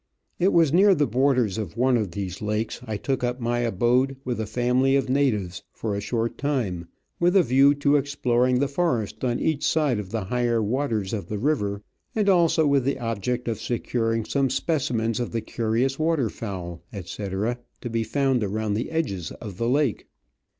It was near the borders of one of these lakes I took up my abode with a family of natives for a short time, with a view to exploring the forest on each $ide of the higher waters of the river, and also with the object of securing some specimens of the curious water fowl, etc., to be found around the edges of the lake.